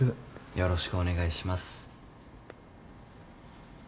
よろしくお願いします。